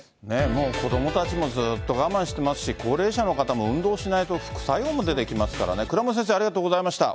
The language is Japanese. もう子どもたちもずっと我慢してますし、高齢者の方も運動しないと副作用も出てきますからね、倉持先生、ありがとうございました。